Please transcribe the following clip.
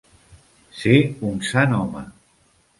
Ser un sant home.